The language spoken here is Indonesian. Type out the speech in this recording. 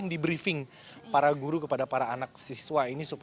nah nama yang dijelaskan bagus